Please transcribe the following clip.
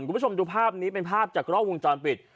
คุณผู้ชมดูภาพนี้เป็นภาพจากกล้องวงจรปิด